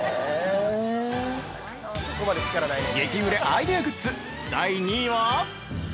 ◆激売れアイデアグッズ第２位は？